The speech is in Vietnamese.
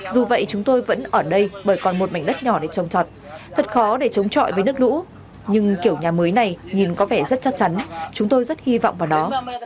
dù vậy chúng tôi vẫn ở đây bởi còn một mảnh đất nhỏ để trồng trọt thật khó để chống chọi với nước lũ nhưng kiểu nhà mới này nhìn có vẻ rất chắc chắn chúng tôi rất hy vọng vào nó